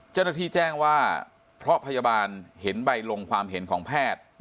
เจ้าหน้าที่แจ้งว่าเพราะพยาบาลเห็นใบลงความเห็นของแพทย์